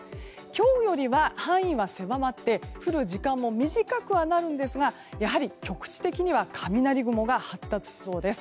今日よりは範囲が狭まって降る時間も短くはなるんですがやはり局地的には雷雲が発達しそうです。